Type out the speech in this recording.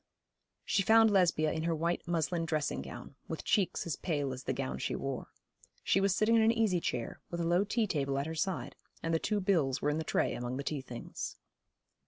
She found Lesbia in her white muslin dressing gown, with cheeks as pale as the gown she wore. She was sitting in an easy chair, with a low tea table at her side, and the two bills were in the tray among the tea things.